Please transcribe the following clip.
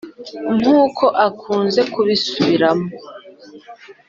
nkuko akunze kubisubiramo .